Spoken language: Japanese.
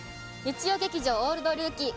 日曜劇場「オールドルーキー」